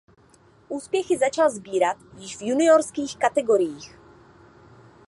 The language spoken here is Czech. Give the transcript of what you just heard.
Úspěchy začal sbírat již v juniorských kategoriích.